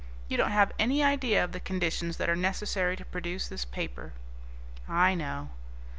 You don't have any idea of the conditions that are necessary to produce this paper." "I know."